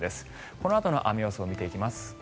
このあとの雨予想を見ていきます。